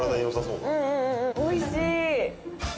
うんうんおいしい！